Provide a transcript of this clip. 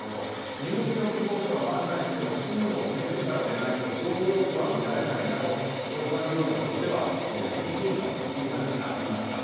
入居希望者を案内しても住むのを決めてからでないと共用部は見られないなど不動産業者としてはやりにくいんだという話がありました。